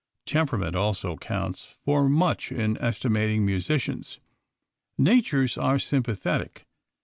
Temperament also counts for much in estimating musicians. Natures are sympathetic.